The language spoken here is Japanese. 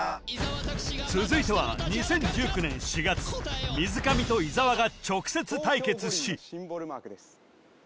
続いては２０１９年４月水上と伊沢が直接対決し